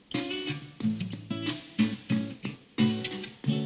ขอบคุณค่ะ